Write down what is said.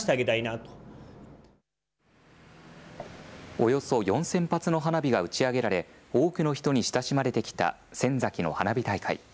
およそ４０００発の花火が打ち上げられ、多くの人に親しまれてきた仙崎の花火大会。